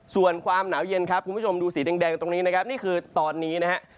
ส่วนความหนาวเย็นครับคุณผู้ชมดูสีแดงตรงนี้นะครับนี่คือตอนนี้นะฮะ